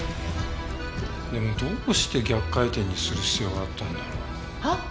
でもどうして逆回転にする必要があったんだろう？はあ？